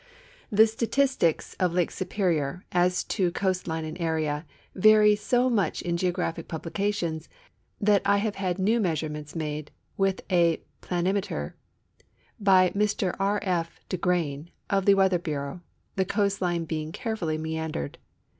The statistics of Lake Superior, as to coast line and ari'a. vary so much in geograi)hic publicati(_)ns that 1 have had new meas urements made with a ])lanimeter by Mr \\. F. De (irain. of the ^\'eather liureau, the coast line being carefully mi'iindered.